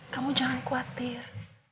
kamu jangan khawatir